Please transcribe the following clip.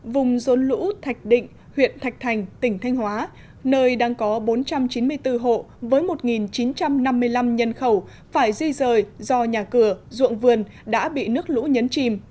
vùng rốn lũ thạch định huyện thạch thành tỉnh thanh hóa nơi đang có bốn trăm chín mươi bốn hộ với một chín trăm năm mươi năm nhân khẩu phải di rời do nhà cửa ruộng vườn đã bị nước lũ nhấn chìm